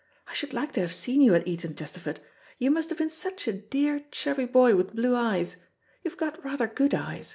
I should like to have seen you at Eton, Chesterford. You must have been such a dear, chubby boy with blue eyes. You've got rather good eyes.